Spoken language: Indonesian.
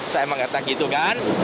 saya mengatakan gitu kan